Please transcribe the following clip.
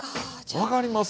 分かります？